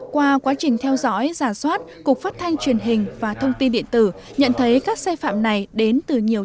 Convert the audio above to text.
qua quá trình theo dõi giả soát cục phát thanh truyền hình và thông tin điện tử nhận thấy các sai phạm này đến từ nhiều nơi